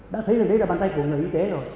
đã thấy được đấy là bàn tay của người y tế rồi